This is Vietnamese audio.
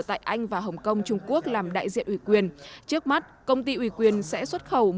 tại anh và hồng kông trung quốc làm đại diện ủy quyền trước mắt công ty ủy quyền sẽ xuất khẩu